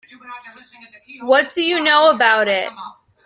What do you know about it?